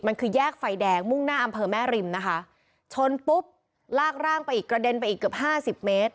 มันคือแยกไฟแดงมุ่งหน้าอำเภอแม่ริมนะคะชนปุ๊บลากร่างไปอีกกระเด็นไปอีกเกือบห้าสิบเมตร